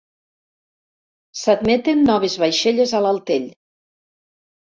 S'admeten noves vaixelles a l'altell.